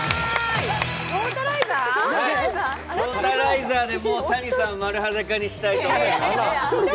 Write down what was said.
トータライザーでＴａｎｉさんを丸裸にしたいと思います。